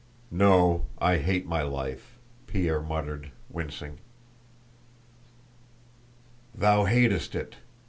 "No, I hate my life," Pierre muttered, wincing. "Thou hatest it.